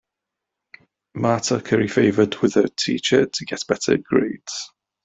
Marta curry favored with her teacher to get better grades.